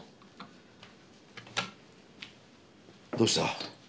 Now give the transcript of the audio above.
どうした？